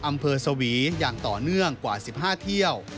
อำเภอสวีอย่างต่อเนื่องกว่า๑๕เที่ยว